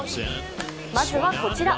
まずはこちら。